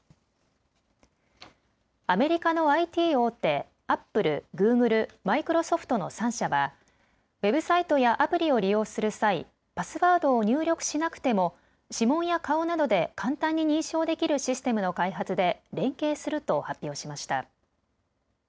アメリカのＩＴ大手、アップル、グーグル、マイクロソフトの３社はウェブサイトやアプリを利用する際、パスワードを入力しなくても指紋や顔などで簡単に認証できるシステムの開発で連携すると発表しました。